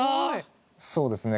そうですね。